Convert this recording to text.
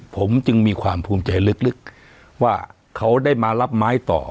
ผมจึงมีความภูมิใจลึกว่าเขาได้มารับไม้ต่อ